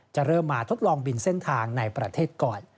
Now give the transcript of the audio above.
จะเริ่มมาทดลองบินเส้นทางในประเทศก่อน